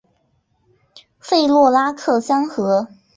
弗洛拉克三河。